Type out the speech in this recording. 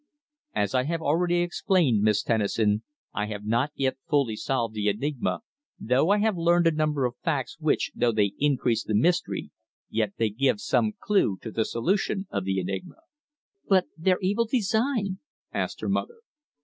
"As I have already explained, Miss Tennison, I have not yet fully solved the enigma, though I have learned a number of facts which, though they increase the mystery, yet they give some clue to the solution of the enigma." "But their evil design?" asked her mother.